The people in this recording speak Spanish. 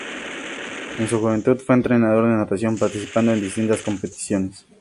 En su juventud fue entrenador de natación participando en distintas competiciones.